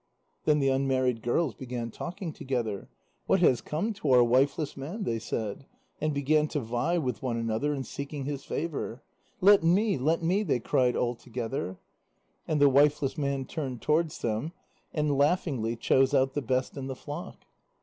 Then the unmarried girls began talking together. "What has come to our wifeless man," they said, and began to vie with one another in seeking his favour. "Let me, let me," they cried all together. And the wifeless man turned towards them, and laughingly chose out the best in the flock.